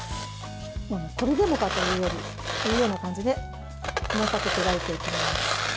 これでもかというような感じで細かく砕いていきます。